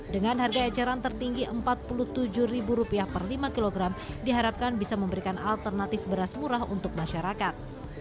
dengan harga eceran tertinggi rp empat puluh tujuh per lima kg diharapkan bisa memberikan alternatif beras murah untuk masyarakat